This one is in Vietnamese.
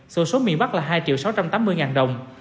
số số miền bắc là hai triệu sáu trăm tám mươi ngàn đồng